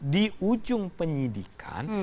di ujung penyelidikan